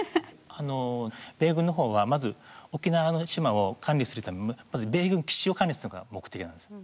あの米軍の方はまず沖縄の島を管理するためにまず米軍基地を管理するのが目的なんです。